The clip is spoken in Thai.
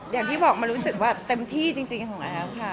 อย่างที่บอกมันรู้สึกว่าเต็มที่จริงของแอฟค่ะ